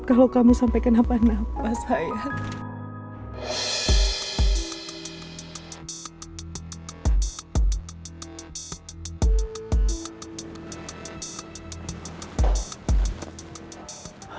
kalau kamu sampai kenapa napa sayang